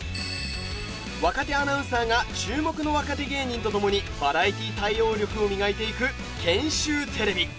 若手アナウンサーが注目の若手芸人と共にバラエティ対応力を磨いていく。